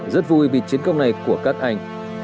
rất vui vì chiến công này của các anh